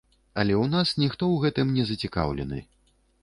Але ў нас ніхто ў гэтым не зацікаўлены.